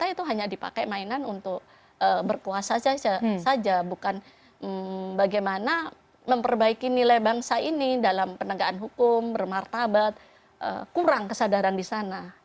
itu hanya dipakai mainan untuk berkuasa saja bukan bagaimana memperbaiki nilai bangsa ini dalam penegakan hukum bermartabat kurang kesadaran di sana